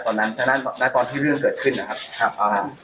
โดยแต่ในสักหนดแล้วตอนที่เรื่องเกิดขึ้นนะครับอ่าว๋อ